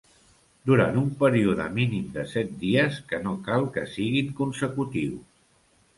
Durant un període mínim de set dies que no cal que siguin consecutius.